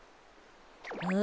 うん？